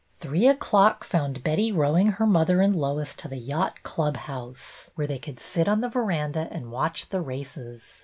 Three o'clock found Betty rowing her mother and Lois to the yacht club house, where they could sit on the veranda and watch the races.